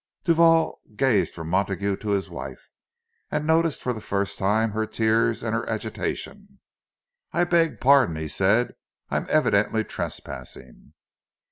Duval gazed from Montague to his wife, and noticed for the first time her tears, and her agitation. "I beg pardon," he said. "I am evidently trespassing."